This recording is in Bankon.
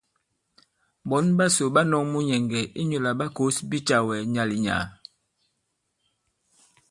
Ɓɔ̌n ɓasò ɓa nɔ̄k munyɛ̀ŋgɛ̀ inyū lā ɓa kǒs bicàwɛ nyàà-lì- nyàà.